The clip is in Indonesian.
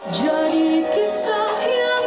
jadi kisah yang sempurna